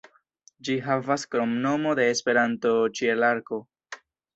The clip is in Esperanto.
Ĝi havas kromnomo de Esperanto "Ĉielarko".